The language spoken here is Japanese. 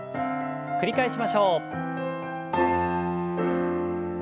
繰り返しましょう。